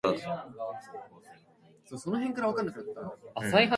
No negligence was placed on Brennan, who was still recovering in the hospital.